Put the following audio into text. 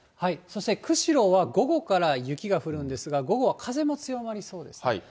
そして釧路は午後から雪が降るんですが、午後は風も強まりそうです。